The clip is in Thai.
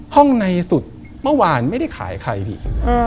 ในสุดเมื่อวานไม่ได้ขายใครพี่